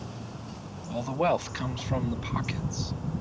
All the wealth comes from the pockets.